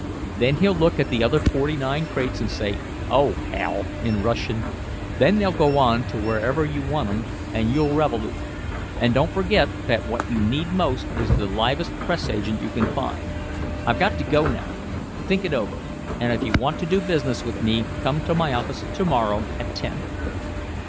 Then he'll look at the other forty nine crates and say, 'Oh, Hell!' in Russian. Then they'll go on to wherever you want 'em and you'll revolute. But don't forget that what you need most is the livest press agent you can find. I've got to go now. Think it over. And if you want to do business with me come to my office to morrow at ten."